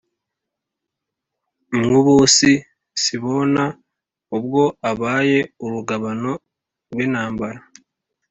mwubusisibona ubwo abaye urugabano rw'intambara